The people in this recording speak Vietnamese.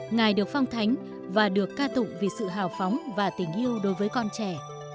ngài được phong thánh và được ca tụng vì sự hào phóng và tình yêu đối với con trẻ